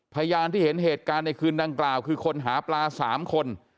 พยานที่เห็นเหตุการณ์ในคืนดังกล่าวคือคนหาปลา๓คน